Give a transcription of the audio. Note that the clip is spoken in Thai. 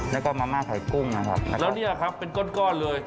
แล้วก็มาม่าไข่กุ้งนะครับแล้วเนี่ยครับเป็นก้อนเลย